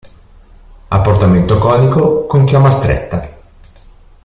Ha portamento conico con chioma stretta.